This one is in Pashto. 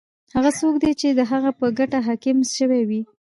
هغه څوک دی چی د هغه په ګټه حکم سوی وی؟